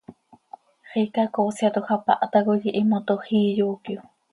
Xiica coosyatoj hapáh tacoi, ihiimotoj íi, yoocyo.